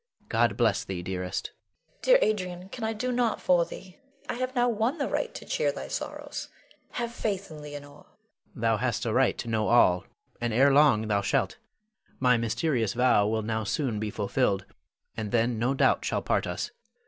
God bless thee, dearest. Leonore. Dear Adrian, can I do nought for thee? I have now won the right to cheer thy sorrows. Have faith in thy Leonore. Adrian. Thou hast a right to know all, and ere long thou shalt. My mysterious vow will now soon be fulfilled, and then no doubt shall part us.